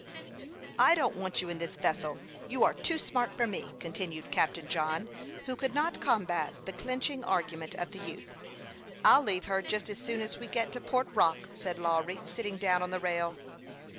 " I don't want you in this vessel ; you are too smart for me," continued Captain John, who could not combat the clinching argument of the youth. " I'll leave her just as soon as we get to Port Rock," said Lawry, sitting down on the rail.